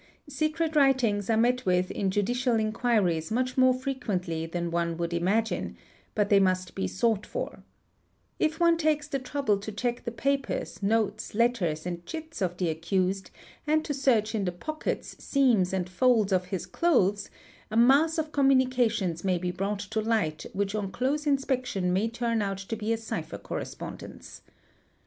Secret writings are met with in judicial inquiries much more frequently than one would imagine, but they must be sought for), If — one takes the trouble to check the papers, notes, letters, and chits of the accused and to search in the pockets, seams, and folds of his clothes, — a mass of communications may be brought to light which on close — inspection may turn out to be a cipher correspondence.